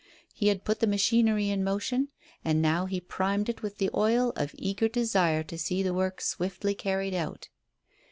He had put the machinery in motion, and now he primed it with the oil of eager desire to see the work swiftly carried out.